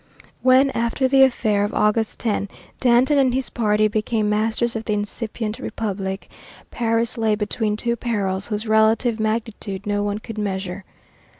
When, after the affair of August 10, Danton and his party became masters of the incipient republic, Paris lay between two perils whose relative magnitude no one could measure.